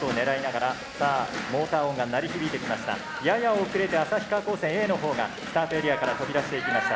やや遅れて旭川高専Ａのほうがスタートエリアから飛び出していきました。